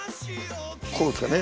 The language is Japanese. こうですかね。